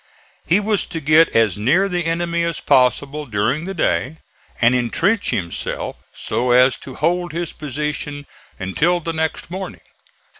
He was to get as near the enemy as possible during the day and intrench himself so as to hold his position until the next morning.